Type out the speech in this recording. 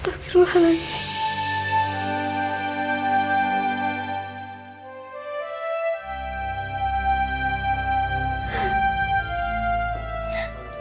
tapi udah hal lagi